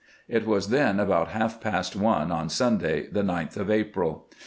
It was then about half past one on Sunday, the 9th of April.